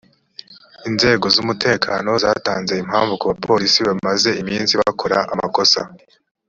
inzego z’umutekano zatanze impamvu kubapolici bamaze iminsi bakora amakosa